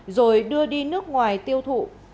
rồi đưa đi nước ngoài tiêu thụ